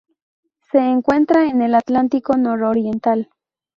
Se encuentra en el Atlántico nororiental.